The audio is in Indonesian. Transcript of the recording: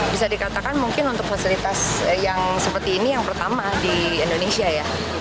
bisa dikatakan mungkin untuk fasilitas yang seperti ini yang pertama di indonesia ya